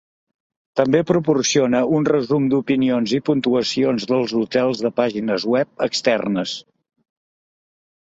També proporciona un resum d'opinions i puntuacions dels hotels de pàgines web externes.